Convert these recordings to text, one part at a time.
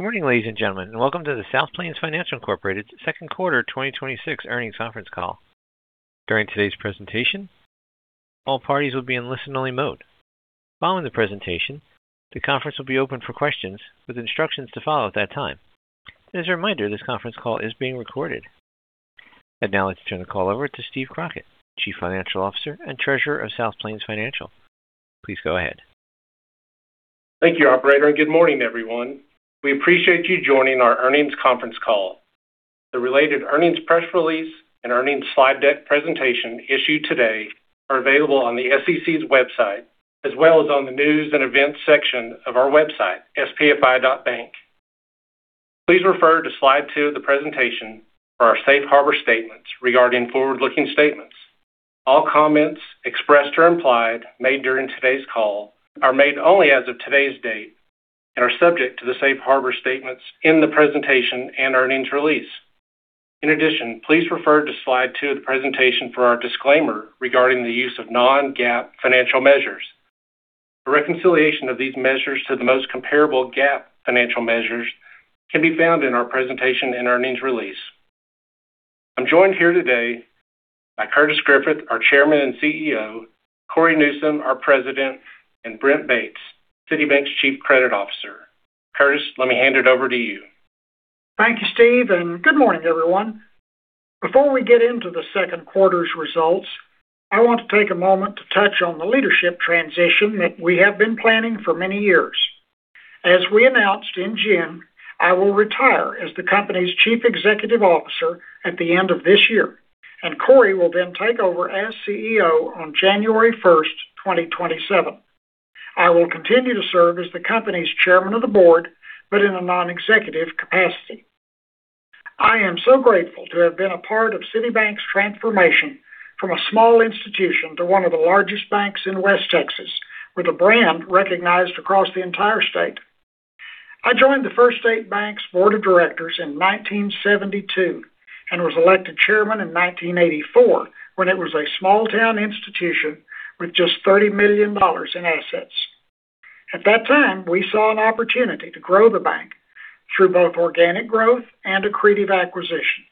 Good morning, ladies and gentlemen, welcome to the South Plains Financial, Inc. second quarter 2026 earnings conference call. During today's presentation, all parties will be in listen-only mode. Following the presentation, the conference will be open for questions with instructions to follow at that time. As a reminder, this conference call is being recorded. Now let's turn the call over to Steve Crockett, Chief Financial Officer and Treasurer of South Plains Financial. Please go ahead. Thank you, operator, good morning, everyone. We appreciate you joining our earnings conference call. The related earnings press release and earnings slide deck presentation issued today are available on the SEC's website, as well as on the news and events section of our website, spfi.bank. Please refer to slide two of the presentation for our safe harbor statements regarding forward-looking statements. All comments expressed or implied made during today's call are made only as of today's date and are subject to the safe harbor statements in the presentation and earnings release. Please refer to slide two of the presentation for our disclaimer regarding the use of non-GAAP financial measures. A reconciliation of these measures to the most comparable GAAP financial measures can be found in our presentation and earnings release. I'm joined here today by Curtis Griffith, our Chairman and CEO, Cory Newsom, our President, and Brent Bates, City Bank's Chief Credit Officer. Curtis, let me hand it over to you. Thank you, Steve, good morning, everyone. Before we get into the second quarter's results, I want to take a moment to touch on the leadership transition that we have been planning for many years. As we announced in June, I will retire as the company's Chief Executive Officer at the end of this year, Cory will then take over as CEO on January 1st, 2027. I will continue to serve as the company's Chairman of the Board, but in a non-executive capacity. I am so grateful to have been a part of City Bank's transformation from a small institution to one of the largest banks in West Texas, with a brand recognized across the entire state. I joined the First State Bank's board of directors in 1972 and was elected chairman in 1984 when it was a small-town institution with just $30 million in assets. At that time, we saw an opportunity to grow the bank through both organic growth and accretive acquisitions.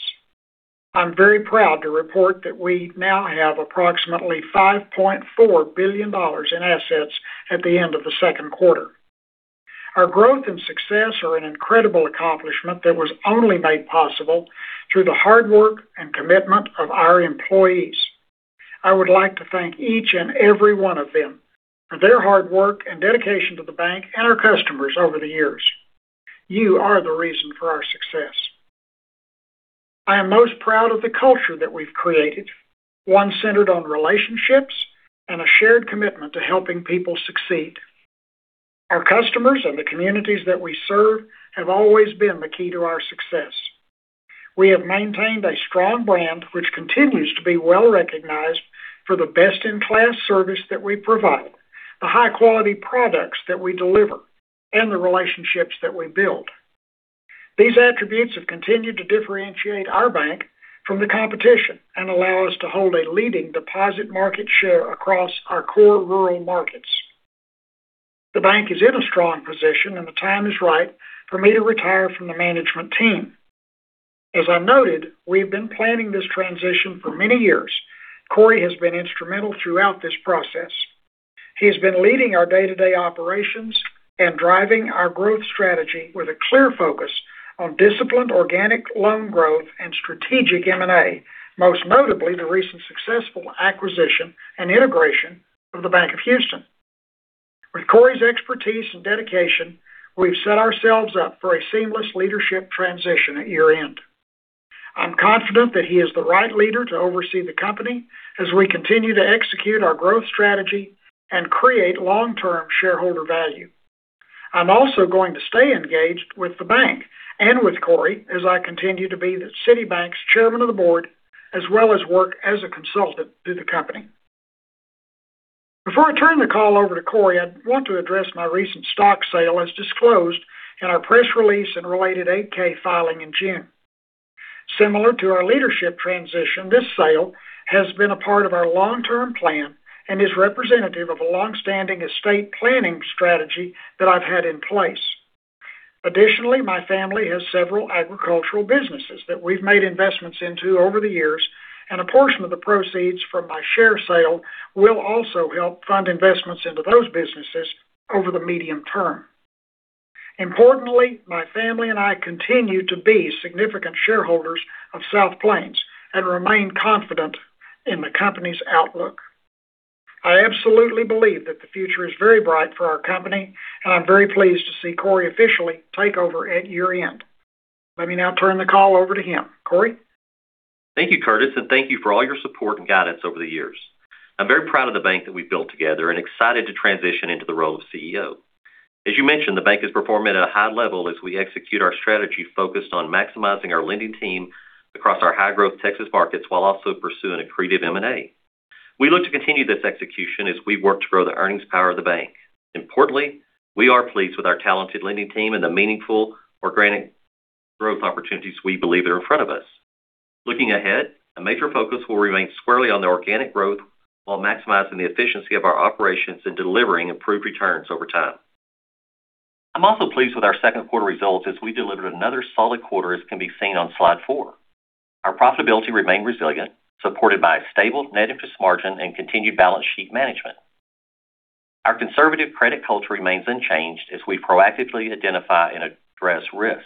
I'm very proud to report that we now have approximately $5.4 billion in assets at the end of the second quarter. Our growth and success are an incredible accomplishment that was only made possible through the hard work and commitment of our employees. I would like to thank each and every one of them for their hard work and dedication to the bank and our customers over the years. You are the reason for our success. I am most proud of the culture that we've created, one centered on relationships and a shared commitment to helping people succeed. Our customers and the communities that we serve have always been the key to our success. We have maintained a strong brand which continues to be well-recognized for the best-in-class service that we provide, the high-quality products that we deliver, and the relationships that we build. These attributes have continued to differentiate our bank from the competition and allow us to hold a leading deposit market share across our core rural markets. The bank is in a strong position. The time is right for me to retire from the management team. As I noted, we've been planning this transition for many years. Cory has been instrumental throughout this process. He has been leading our day-to-day operations and driving our growth strategy with a clear focus on disciplined organic loan growth and strategic M&A, most notably the recent successful acquisition and integration of the Bank of Houston. With Cory's expertise and dedication, we've set ourselves up for a seamless leadership transition at year-end. I'm confident that he is the right leader to oversee the company as we continue to execute our growth strategy and create long-term shareholder value. I'm also going to stay engaged with the bank and with Cory as I continue to be the City Bank's chairman of the board, as well as work as a consultant to the company. Before I turn the call over to Cory, I want to address my recent stock sale as disclosed in our press release and related 8-K filing in June. Similar to our leadership transition, this sale has been a part of our long-term plan and is representative of a longstanding estate planning strategy that I've had in place. Additionally, my family has several agricultural businesses that we've made investments into over the years. A portion of the proceeds from my share sale will also help fund investments into those businesses over the medium term. Importantly, my family and I continue to be significant shareholders of South Plains and remain confident in the company's outlook. I absolutely believe that the future is very bright for our company. I'm very pleased to see Cory officially take over at year-end. Let me now turn the call over to him. Cory? Thank you, Curtis, and thank you for all your support and guidance over the years. I'm very proud of the bank that we've built together and excited to transition into the role of CEO. As you mentioned, the bank is performing at a high level as we execute our strategy focused on maximizing our lending team across our high-growth Texas markets while also pursuing accretive M&A. We look to continue this execution as we work to grow the earnings power of the bank. Importantly, we are pleased with our talented lending team and the meaningful organic growth opportunities we believe are in front of us. Looking ahead, a major focus will remain squarely on the organic growth while maximizing the efficiency of our operations and delivering improved returns over time. I'm also pleased with our second quarter results as we delivered another solid quarter, as can be seen on slide four. Our profitability remained resilient, supported by a stable net interest margin and continued balance sheet management. Our conservative credit culture remains unchanged as we proactively identify and address risk.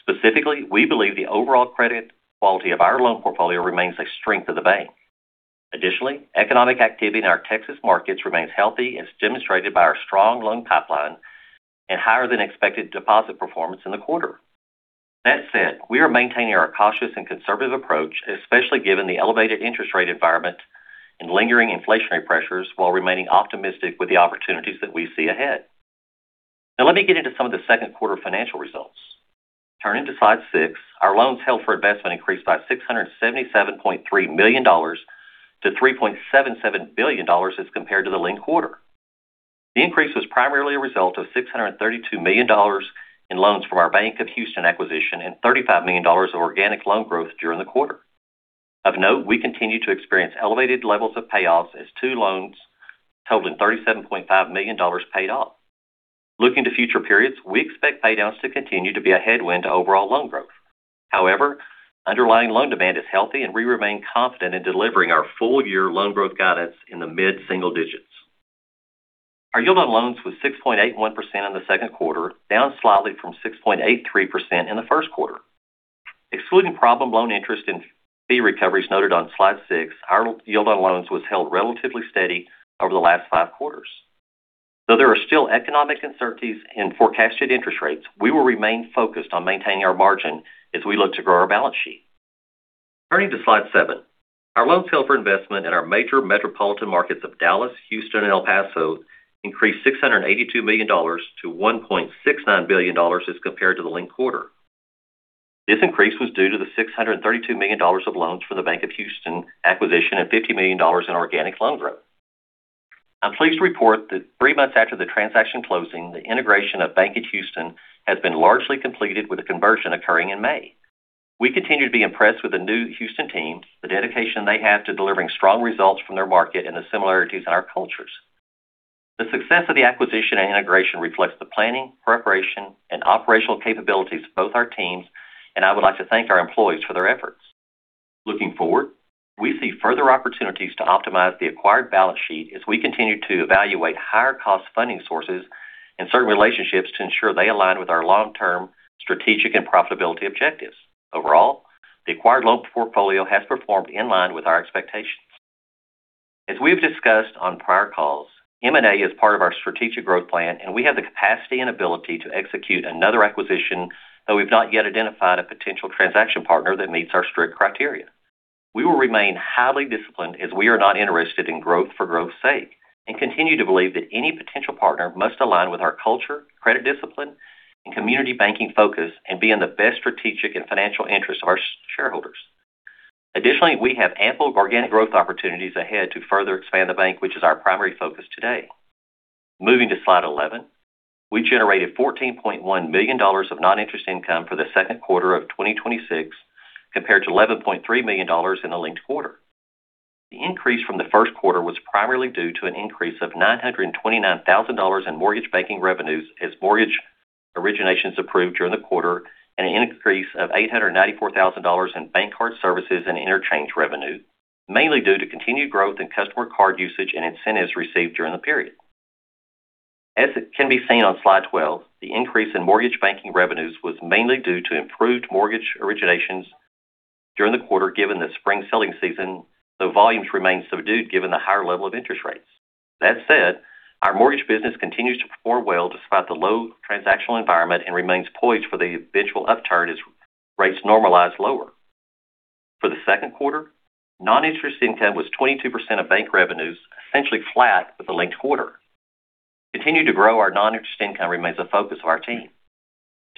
Specifically, we believe the overall credit quality of our loan portfolio remains a strength of the bank. Additionally, economic activity in our Texas markets remains healthy, as demonstrated by our strong loan pipeline and higher than expected deposit performance in the quarter. That said, we are maintaining our cautious and conservative approach, especially given the elevated interest rate environment and lingering inflationary pressures, while remaining optimistic with the opportunities that we see ahead. Now let me get into some of the second quarter financial results. Turning to slide six, our loans held for investment increased by $677.3 million to $3.77 billion as compared to the linked quarter. The increase was primarily a result of $632 million in loans from our Bank of Houston acquisition and $35 million of organic loan growth during the quarter. Of note, we continue to experience elevated levels of payoffs as two loans totaling $37.5 million paid off. Looking to future periods, we expect paydowns to continue to be a headwind to overall loan growth. However, underlying loan demand is healthy, and we remain confident in delivering our full year loan growth guidance in the mid-single digits. Our yield on loans was 6.81% in the second quarter, down slightly from 6.83% in the first quarter. Excluding problem loan interest and fee recoveries noted on slide six, our yield on loans was held relatively steady over the last five quarters. Though there are still economic uncertainties in forecasted interest rates, we will remain focused on maintaining our margin as we look to grow our balance sheet. Turning to slide seven, our loans held for investment in our major metropolitan markets of Dallas, Houston, and El Paso increased $682 million to $1.69 billion as compared to the linked quarter. This increase was due to the $632 million of loans for the Bank of Houston acquisition and $50 million in organic loan growth. I'm pleased to report that three months after the transaction closing, the integration of Bank of Houston has been largely completed with the conversion occurring in May. We continue to be impressed with the new Houston team, the dedication they have to delivering strong results from their market, and the similarities in our cultures. The success of the acquisition and integration reflects the planning, preparation, and operational capabilities of both our teams, and I would like to thank our employees for their efforts. Looking forward, we see further opportunities to optimize the acquired balance sheet as we continue to evaluate higher-cost funding sources and certain relationships to ensure they align with our long-term strategic and profitability objectives. Overall, the acquired loan portfolio has performed in line with our expectations. As we've discussed on prior calls, M&A is part of our strategic growth plan, and we have the capacity and ability to execute another acquisition, though we've not yet identified a potential transaction partner that meets our strict criteria. We will remain highly disciplined as we are not interested in growth for growth's sake, continue to believe that any potential partner must align with our culture, credit discipline, and community banking focus, and be in the best strategic and financial interest of our shareholders. Additionally, we have ample organic growth opportunities ahead to further expand the bank, which is our primary focus today. Moving to slide 11, we generated $14.1 million of non-interest income for the second quarter of 2026, compared to $11.3 million in the linked quarter. The increase from the first quarter was primarily due to an increase of $929,000 in mortgage banking revenues as mortgage originations approved during the quarter, and an increase of $894,000 in bank card services and interchange revenue, mainly due to continued growth in customer card usage and incentives received during the period. As it can be seen on Slide 12, the increase in mortgage banking revenues was mainly due to improved mortgage originations during the quarter given the spring selling season, though volumes remained subdued given the higher level of interest rates. That said, our mortgage business continues to perform well despite the low transactional environment and remains poised for the eventual upturn as rates normalize lower. For the second quarter, non-interest income was 22% of bank revenues, essentially flat with the linked quarter. Continuing to grow our non-interest income remains a focus of our team.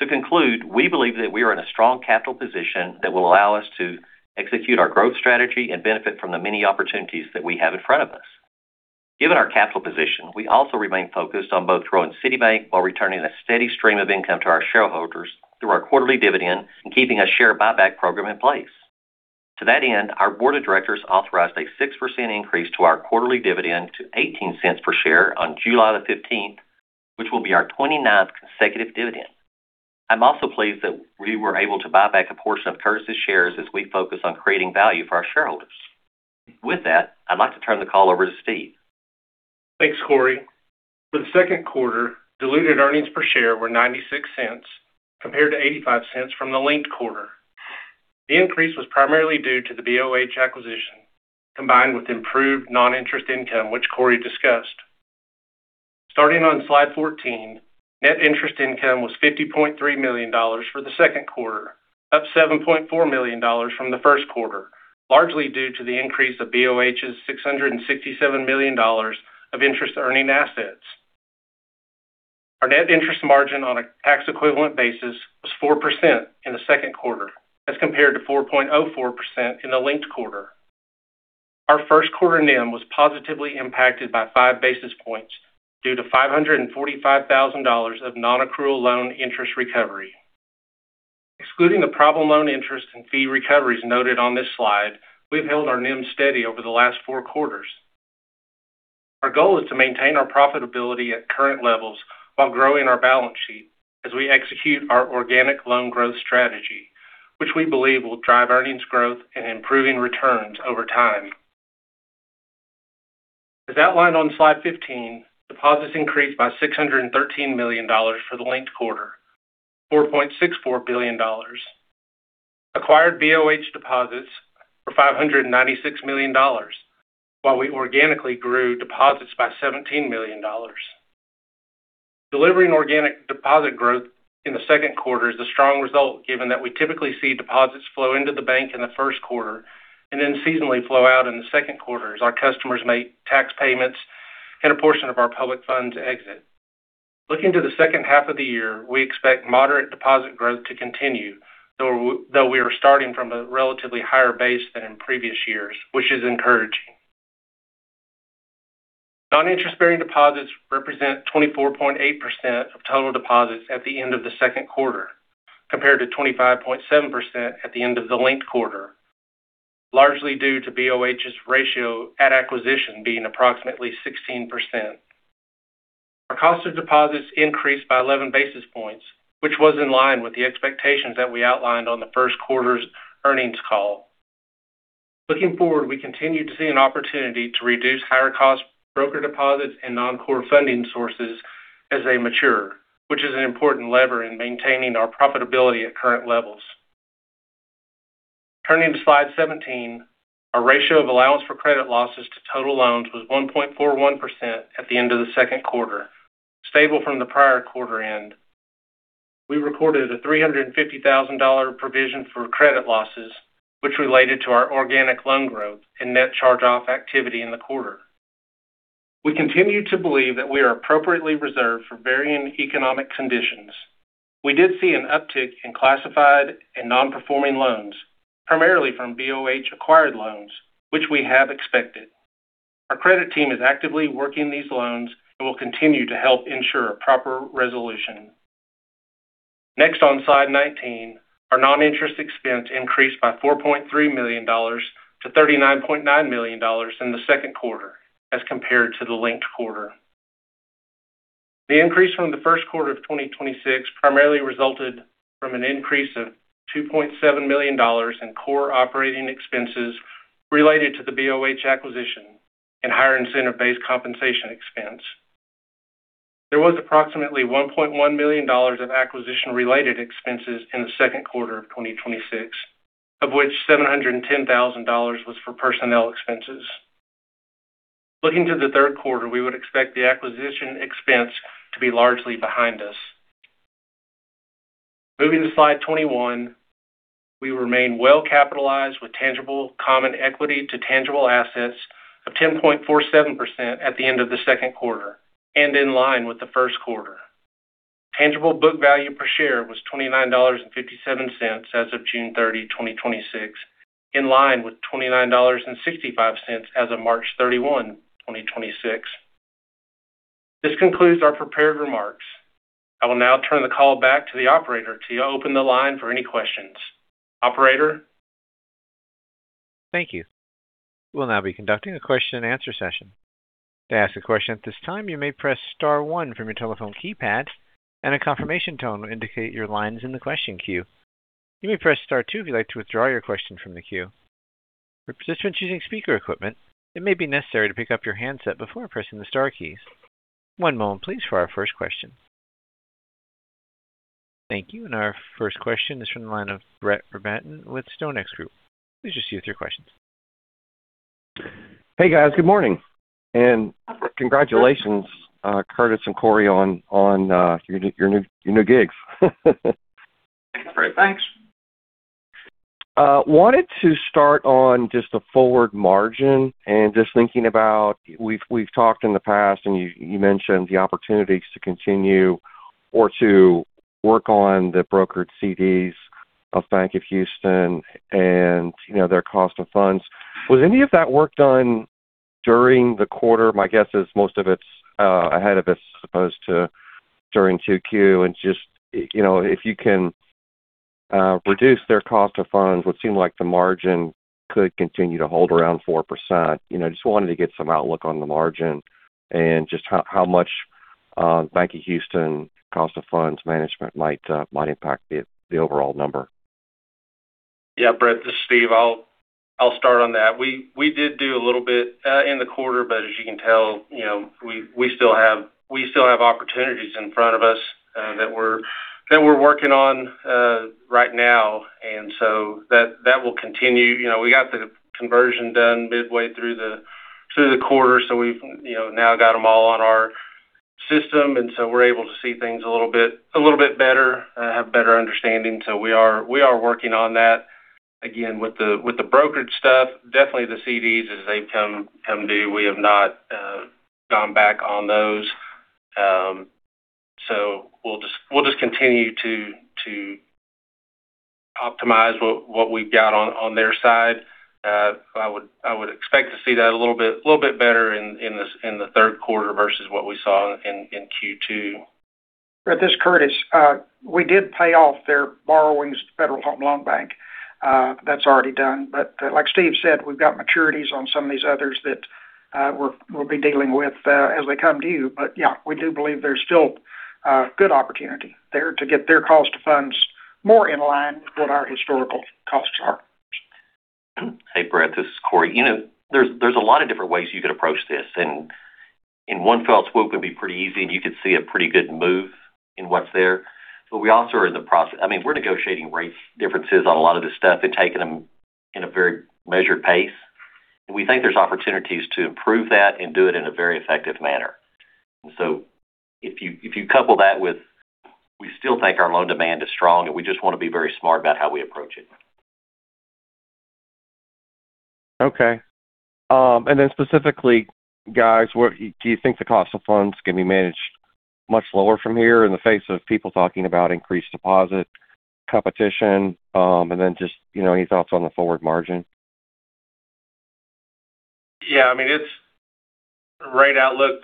To conclude, we believe that we are in a strong capital position that will allow us to execute our growth strategy and benefit from the many opportunities that we have in front of us. Given our capital position, we also remain focused on both growing City Bank while returning a steady stream of income to our shareholders through our quarterly dividend and keeping a share buyback program in place. To that end, our board of directors authorized a 6% increase to our quarterly dividend to $0.18 per share on July the 15th, which will be our 29th consecutive dividend. I'm also pleased that we were able to buy back a portion of Curtis's shares as we focus on creating value for our shareholders. With that, I'd like to turn the call over to Steve. Thanks, Cory. For the second quarter, diluted earnings per share were $0.96, compared to $0.85 from the linked quarter. The increase was primarily due to the BOH acquisition, combined with improved non-interest income, which Cory discussed. Starting on Slide 14, net interest income was $50.3 million for the second quarter, up $7.4 million from the first quarter, largely due to the increase of BOH's $667 million of interest-earning assets. Our net interest margin on a tax-equivalent basis was 4% in the second quarter as compared to 4.04% in the linked quarter. Our first quarter NIM was positively impacted by 5 basis points due to $545,000 of non-accrual loan interest recovery. Excluding the problem loan interest and fee recoveries noted on this slide, we have held our NIM steady over the last four quarters. Our goal is to maintain our profitability at current levels while growing our balance sheet as we execute our organic loan growth strategy, which we believe will drive earnings growth and improving returns over time. As outlined on slide 15, deposits increased by $613 million for the linked quarter, $4.64 billion. Acquired BOH deposits were $596 million, while we organically grew deposits by $17 million. Delivering organic deposit growth in the second quarter is a strong result, given that we typically see deposits flow into the bank in the first quarter and then seasonally flow out in the second quarter as our customers make tax payments and a portion of our public funds exit. Looking to the second half of the year, we expect moderate deposit growth to continue, though we are starting from a relatively higher base than in previous years, which is encouraging. Non-interest-bearing deposits represent 24.8% of total deposits at the end of the second quarter, compared to 25.7% at the end of the linked quarter, largely due to BOH's ratio at acquisition being approximately 16%. Our cost of deposits increased by 11 basis points, which was in line with the expectations that we outlined on the first quarter's earnings call. Looking forward, we continue to see an opportunity to reduce higher cost broker deposits and non-core funding sources as they mature, which is an important lever in maintaining our profitability at current levels. Turning to slide 17, our ratio of allowance for credit losses to total loans was 1.41% at the end of the second quarter, stable from the prior quarter end. We recorded a $350,000 provision for credit losses, which related to our organic loan growth and net charge-off activity in the quarter. We continue to believe that we are appropriately reserved for varying economic conditions. We did see an uptick in classified and non-performing loans, primarily from BOH acquired loans, which we have expected. Our credit team is actively working these loans and will continue to help ensure a proper resolution. Next on slide 19, our non-interest expense increased by $4.3 million to $39.9 million in the second quarter as compared to the linked quarter. The increase from the first quarter of 2026 primarily resulted from an increase of $2.7 million in core operating expenses related to the BOH acquisition and higher incentive-based compensation expense. There was approximately $1.1 million of acquisition-related expenses in the second quarter of 2026, of which $710,000 was for personnel expenses. Looking to the third quarter, we would expect the acquisition expense to be largely behind us. Moving to slide 21, we remain well capitalized with tangible common equity to tangible assets of 10.47% at the end of the second quarter and in line with the first quarter. Tangible book value per share was $29.57 as of June 30, 2026, in line with $29.65 as of March 31, 2026. This concludes our prepared remarks. I will now turn the call back to the operator to open the line for any questions. Operator? Thank you. We'll now be conducting a question-and-answer session. To ask a question at this time, you may press star one from your telephone keypad, and a confirmation tone will indicate your line's in the question queue. You may press star two if you'd like to withdraw your question from the queue. For participants using speaker equipment, it may be necessary to pick up your handset before pressing the star keys. One moment please for our first question. Thank you. Our first question is from the line of Brett Rabatin with StoneX Group. Please proceed with your questions. Hey, guys. Good morning, congratulations, Curtis and Cory, on your new gigs. Thanks, Brett. Thanks. Wanted to start on just the forward margin and just thinking about, we've talked in the past and you mentioned the opportunities to continue or to work on the brokered CDs of Bank of Houston and their cost of funds. Was any of that work done during the quarter? My guess is most of it's ahead of it as opposed to during 2Q, and just if you can reduce their cost of funds, would seem like the margin could continue to hold around 4%. Just wanted to get some outlook on the margin and just how much Bank of Houston cost of funds management might impact the overall number. Yeah, Brett. This is Steve. I'll start on that. We did do a little bit in the quarter. As you can tell, we still have opportunities in front of us that we're working on right now. That will continue. We got the conversion done midway through the quarter. We've now got them all on our system. We're able to see things a little bit better, have better understanding. We are working on that. Again, with the brokerage stuff, definitely the CDs, as they come due, we have not gone back on those. We'll just continue to optimize what we've got on their side. I would expect to see that a little bit better in the third quarter versus what we saw in Q2. Brett, this is Curtis. We did pay off their borrowings to Federal Home Loan Bank. That's already done. Like Steve said, we've got maturities on some of these others that we'll be dealing with as they come due. Yeah, we do believe there's still a good opportunity there to get their cost of funds more in line with what our historical costs are. Hey, Brett, this is Cory. There's a lot of different ways you could approach this. In one fell swoop it could be pretty easy, and you could see a pretty good move in what's there. We also are in the process. We're negotiating rate differences on a lot of this stuff and taking them in a very measured pace. We think there's opportunities to improve that and do it in a very effective manner. If you couple that with, we still think our loan demand is strong, and we just want to be very smart about how we approach it. Okay. Specifically, guys, do you think the cost of funds can be managed much lower from here in the face of people talking about increased deposit competition? Just any thoughts on the forward margin? Yeah, rate outlook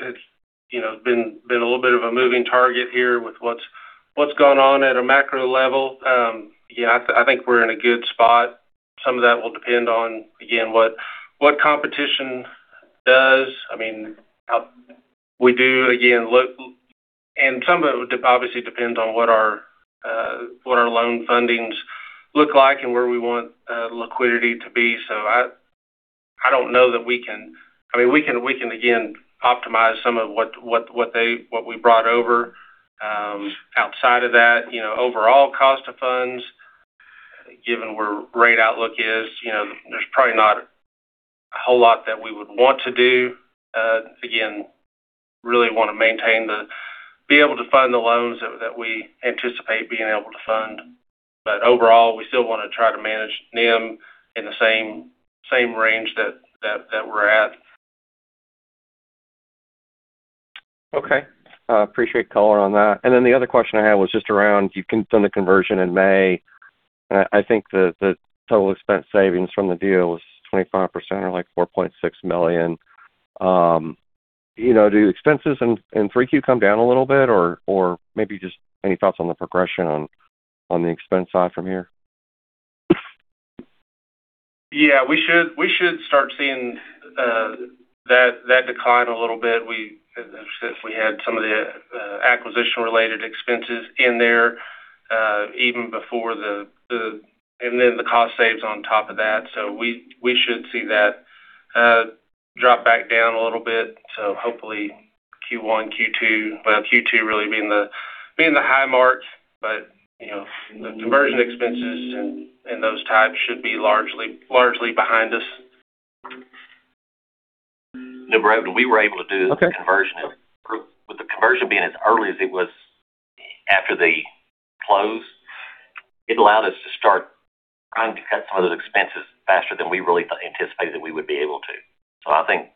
has been a little bit of a moving target here with what's gone on at a macro level. Yeah, I think we're in a good spot. Some of that will depend on, again, what competition does. Some of it obviously depends on what our loan fundings look like and where we want liquidity to be. We can, again, optimize some of what we brought over. Outside of that, overall cost of funds, given where rate outlook is, there's probably not a whole lot that we would want to do. Again, really want to be able to fund the loans that we anticipate being able to fund. Overall, we still want to try to manage NIM in the same range that we're at. Okay. Appreciate the color on that. The other question I had was just around, you've done the conversion in May. I think that the total expense savings from the deal was 25%, or like $4.6 million. Do expenses in 3Q come down a little bit? Maybe just any thoughts on the progression on the expense side from here? Yeah, we should start seeing that decline a little bit since we had some of the acquisition related expenses in there, the cost saves on top of that. We should see that drop back down a little bit to hopefully Q1, Q2. Well, Q2 really being the high mark. The conversion expenses and those types should be largely behind us. No, Brett. We were able to do the conversion- Okay with the conversion being as early as it was after the close, it allowed us to start trying to cut some of those expenses faster than we really anticipated that we would be able to. I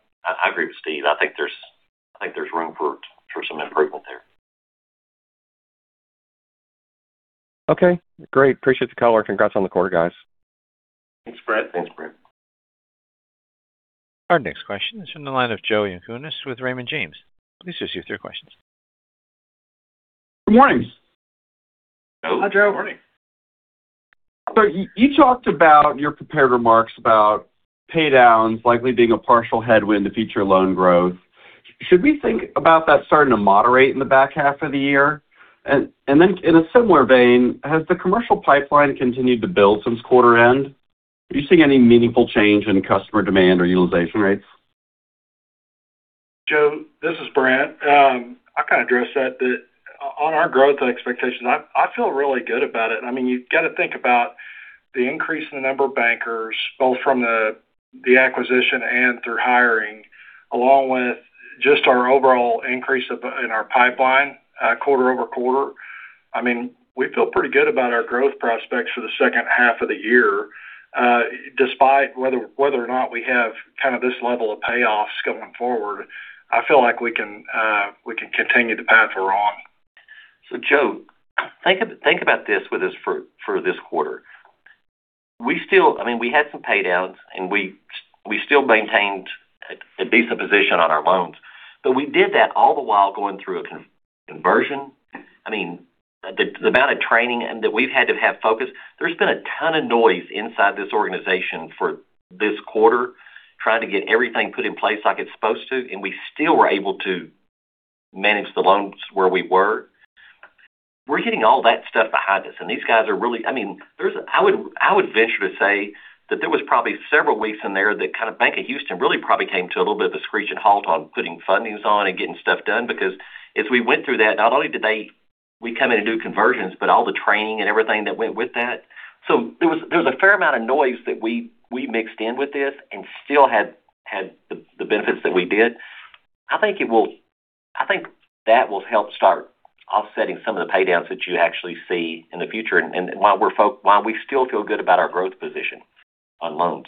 agree with Steve, I think there's room for some improvement there. Okay, great. Appreciate the color. Congrats on the quarter, guys. Thanks, Brett. Thanks, Brett. Our next question is from the line of Joe Yanchunis with Raymond James. Please just your questions. Good morning. Hi, Joe. Morning. You talked about your prepared remarks about paydowns likely being a partial headwind to future loan growth. Should we think about that starting to moderate in the back half of the year? In a similar vein, has the commercial pipeline continued to build since quarter end? Are you seeing any meaningful change in customer demand or utilization rates? Joe, this is Brent. I kind of addressed that on our growth expectations. I feel really good about it. You got to think about the increase in the number of bankers, both from the acquisition and through hiring, along with just our overall increase in our pipeline quarter-over-quarter. We feel pretty good about our growth prospects for the second half of the year. Despite whether or not we have kind of this level of payoffs going forward, I feel like we can continue the path we're on. Joe, think about this with us for this quarter. We had some paydowns, and we still maintained a decent position on our loans. We did that all the while going through a conversion. The amount of training and that we've had to have. There's been a ton of noise inside this organization for this quarter, trying to get everything put in place like it's supposed to, and we still were able to manage the loans where we were. We're getting all that stuff behind us. I would venture to say that there was probably several weeks in there that kind of Bank of Houston really probably came to a little bit of a screeching halt on putting fundings on and getting stuff done because as we went through that, not only did we come in and do conversions, but all the training and everything that went with that. There was a fair amount of noise that we mixed in with this and still had the benefits that we did. I think that will help start offsetting some of the paydowns that you actually see in the future, and while we still feel good about our growth position on loans.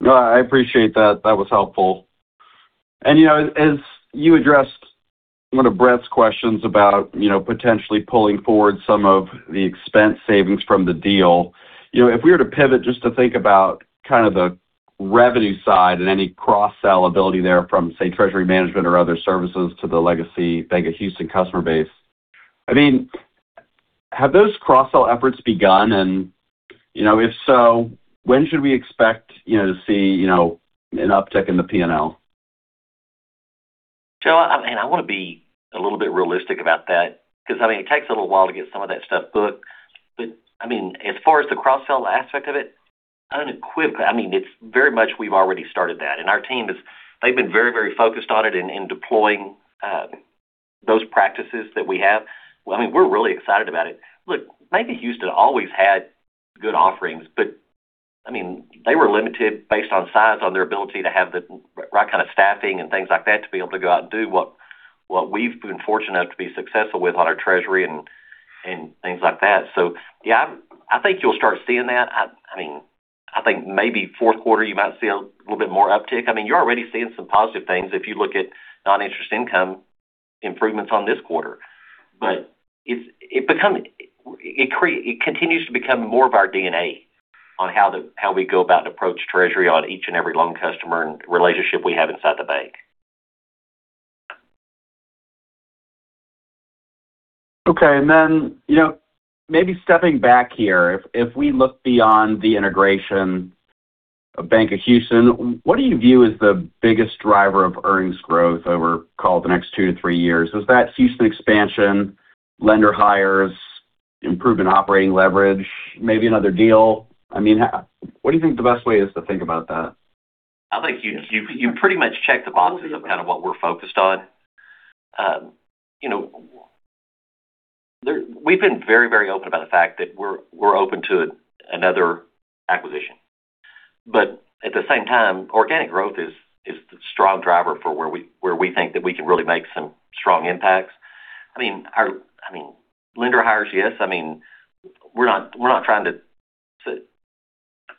No, I appreciate that. That was helpful. As you addressed one of Brett's questions about potentially pulling forward some of the expense savings from the deal, if we were to pivot just to think about kind of the revenue side and any cross-sell ability there from, say, treasury management or other services to the legacy Bank of Houston customer base. Have those cross-sell efforts begun? If so, when should we expect to see an uptick in the P&L? Joe, I want to be a little bit realistic about that because it takes a little while to get some of that stuff booked. As far as the cross-sell aspect of it's very much we've already started that. Our team, they've been very focused on it and in deploying those practices that we have. We're really excited about it. Look, Bank of Houston always had good offerings, but they were limited based on size, on their ability to have the right kind of staffing and things like that to be able to go out and do what we've been fortunate enough to be successful with on our treasury and things like that. Yeah, I think you'll start seeing that. I think maybe fourth quarter, you might see a little bit more uptick. You're already seeing some positive things if you look at non-interest income improvements on this quarter. It continues to become more of our DNA on how we go about and approach treasury on each and every loan customer and relationship we have inside the bank. Okay. Maybe stepping back here, if we look beyond the integration of Bank of Houston, what do you view as the biggest driver of earnings growth over, call it, the next two to three years? Is that Houston expansion, lender hires, improvement operating leverage, maybe another deal? What do you think the best way is to think about that? I think you've pretty much checked the boxes of kind of what we're focused on. We've been very open about the fact that we're open to another acquisition. At the same time, organic growth is the strong driver for where we think that we can really make some strong impacts. Lender hires, yes. We're not trying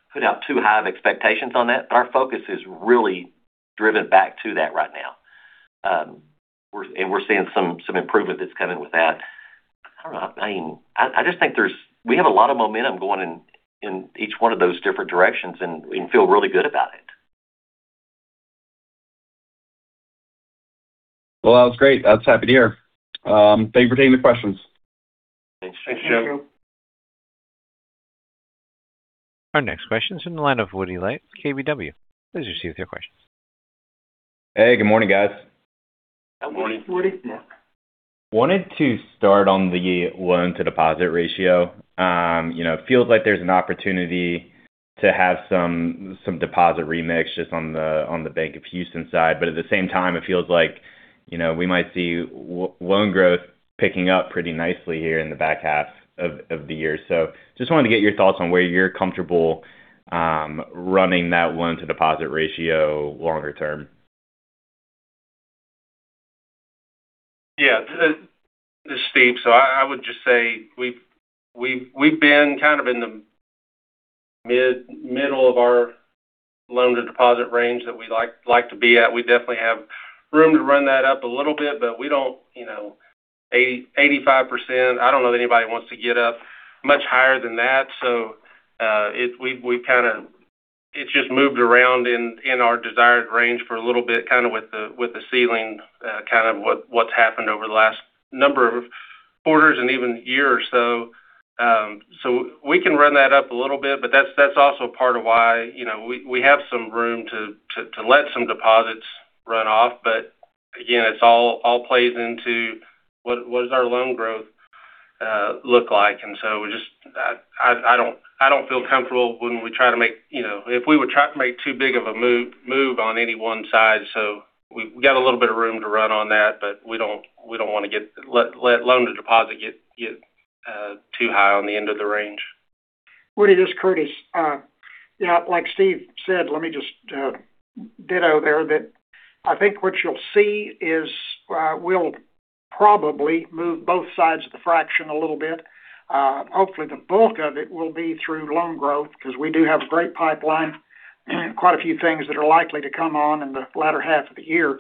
to put out too high of expectations on that, but our focus is really driven back to that right now. We're seeing some improvement that's coming with that. I don't know. I just think we have a lot of momentum going in each one of those different directions, and we feel really good about it. Well, that was great. That's happy to hear. Thank you for taking the questions. Thanks, Joe. Thank you. Our next question is in the line of Woody Lay, KBW. Please proceed with your question. Hey, good morning, guys. Good morning, Woody. Wanted to start on the loan-to-deposit ratio. It feels like there's an opportunity to have some deposit remix just on the Bank of Houston side. At the same time, it feels like we might see loan growth picking up pretty nicely here in the back half of the year. Just wanted to get your thoughts on where you're comfortable running that loan-to-deposit ratio longer term. This is Steve. I would just say we've been kind of in the middle of our loan-to-deposit range that we like to be at. We definitely have room to run that up a little bit, but 85%, I don't know that anybody wants to get up much higher than that. It's just moved around in our desired range for a little bit, kind of with the ceiling, kind of what's happened over the last number of quarters and even year or so. We can run that up a little bit, but that's also part of why we have some room to let some deposits run off. Again, it all plays into what does our loan growth look like. I don't feel comfortable if we would try to make too big of a move on any one side. We've got a little bit of room to run on that, but we don't want to let loan-to-deposit get too high on the end of the range. Woody, this is Curtis. Like Steve said, let me just ditto there that I think what you'll see is we'll probably move both sides of the fraction a little bit. Hopefully, the bulk of it will be through loan growth because we do have a great pipeline, quite a few things that are likely to come on in the latter half of the year.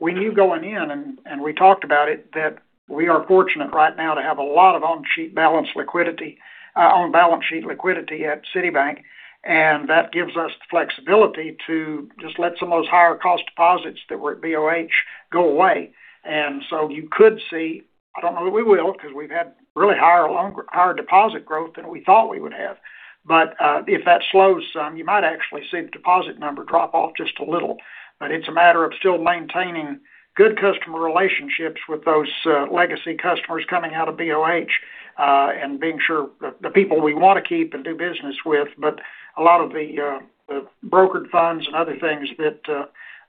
We knew going in, and we talked about it, that we are fortunate right now to have a lot of on-balance sheet liquidity at City Bank, and that gives us the flexibility to just let some of those higher cost deposits that were at BOH go away. You could see, I don't know that we will, because we've had really higher deposit growth than we thought we would have. If that slows some, you might actually see the deposit number drop off just a little. It's a matter of still maintaining good customer relationships with those legacy customers coming out of BOH, and being sure the people we want to keep and do business with. A lot of the brokered funds and other things that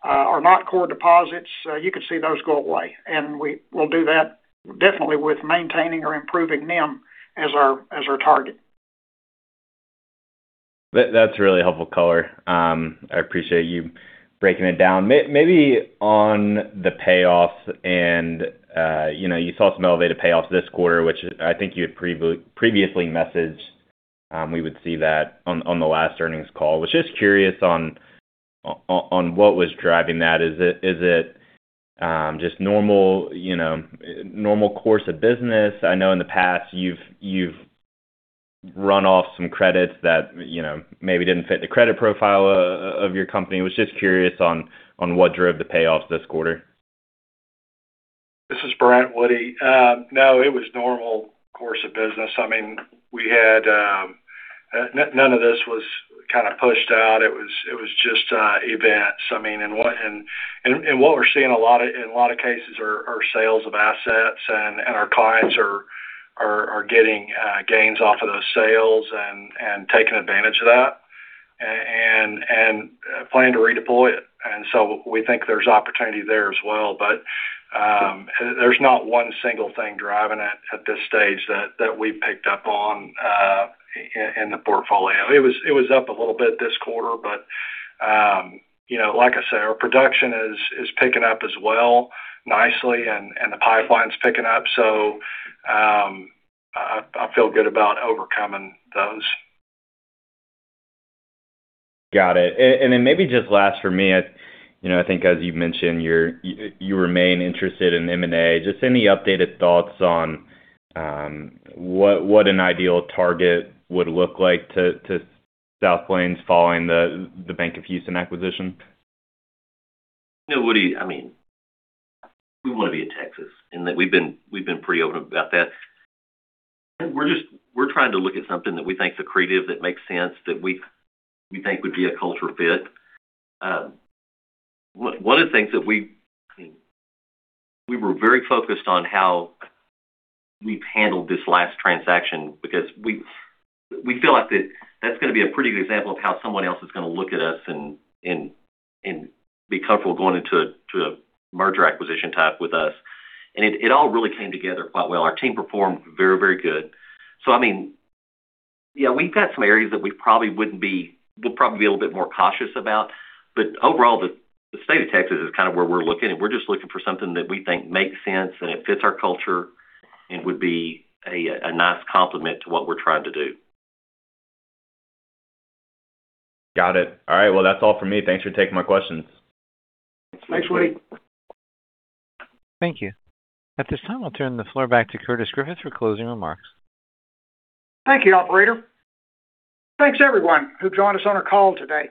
are not core deposits, you could see those go away. We'll do that definitely with maintaining or improving NIM as our target. That's a really helpful color. I appreciate you breaking it down. On the payoffs, you saw some elevated payoffs this quarter, which I think you had previously messaged we would see that on the last earnings call. Was just curious on what was driving that. Is it just normal course of business? I know in the past you've run off some credits that maybe didn't fit the credit profile of your company. Was just curious on what drove the payoffs this quarter. This is Brent, Woody. No, it was normal course of business. None of this was kind of pushed out. It was just events. What we're seeing in a lot of cases are sales of assets and our clients are getting gains off of those sales and taking advantage of that, and plan to redeploy it. We think there's opportunity there as well. There's not one single thing driving it at this stage that we've picked up on in the portfolio. It was up a little bit this quarter, like I said, our production is picking up as well nicely, and the pipeline's picking up. I feel good about overcoming those. Got it. Then maybe just last for me, I think as you've mentioned, you remain interested in M&A. Just any updated thoughts on what an ideal target would look like to South Plains following the Bank of Houston acquisition? No, Woody, we want to be in Texas, we've been pretty open about that. We're trying to look at something that we think is accretive, that makes sense, that we think would be a culture fit. One of the things that we were very focused on how we've handled this last transaction because we feel like that's going to be a pretty good example of how someone else is going to look at us and be comfortable going into a merger acquisition type with us. It all really came together quite well. Our team performed very, very good. Yeah, we've got some areas that we'll probably be a little bit more cautious about. Overall, the state of Texas is kind of where we're looking, and we're just looking for something that we think makes sense and it fits our culture and would be a nice complement to what we're trying to do. Got it. All right. Well, that's all for me. Thanks for taking my questions. Thanks, Woody. Thanks, Woody. Thank you. At this time, I'll turn the floor back to Curtis Griffith for closing remarks. Thank you, operator. Thanks, everyone, who joined us on our call today.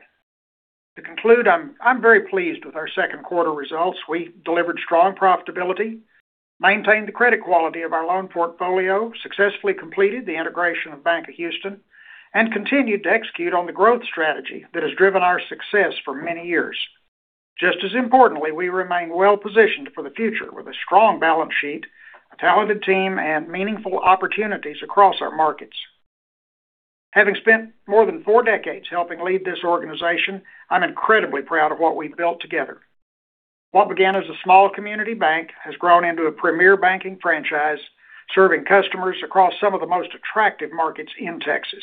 To conclude, I'm very pleased with our second quarter results. We delivered strong profitability, maintained the credit quality of our loan portfolio, successfully completed the integration of Bank of Houston, and continued to execute on the growth strategy that has driven our success for many years. Just as importantly, we remain well-positioned for the future with a strong balance sheet, a talented team, and meaningful opportunities across our markets. Having spent more than four decades helping lead this organization, I'm incredibly proud of what we've built together. What began as a small community bank has grown into a premier banking franchise, serving customers across some of the most attractive markets in Texas.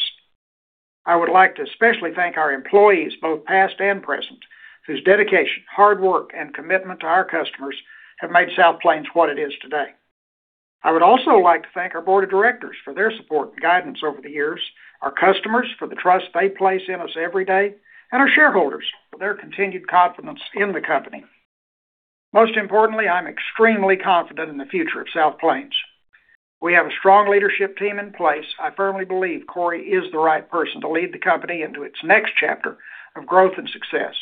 I would like to especially thank our employees, both past and present, whose dedication, hard work, and commitment to our customers have made South Plains what it is today. I would also like to thank our board of directors for their support and guidance over the years, our customers for the trust they place in us every day, and our shareholders for their continued confidence in the company. Most importantly, I'm extremely confident in the future of South Plains. We have a strong leadership team in place. I firmly believe Cory is the right person to lead the company into its next chapter of growth and success.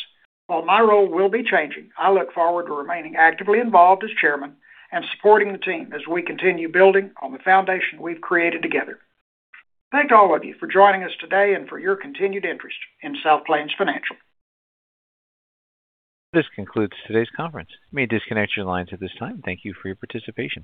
While my role will be changing, I look forward to remaining actively involved as chairman and supporting the team as we continue building on the foundation we've created together. Thanks to all of you for joining us today and for your continued interest in South Plains Financial. This concludes today's conference. You may disconnect your lines at this time. Thank you for your participation.